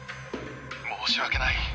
申し訳ない。